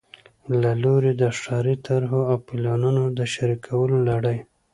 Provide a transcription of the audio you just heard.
له لوري د ښاري طرحو او پلانونو د شریکولو لړۍ